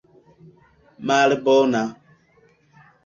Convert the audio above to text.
malbona